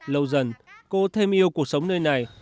lâu dần cô thêm yêu cuộc sống nơi này